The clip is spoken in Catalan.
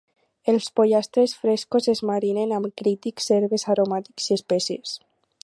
Els pollastres frescos es marinen amb cítrics, herbes aromàtiques i espècies.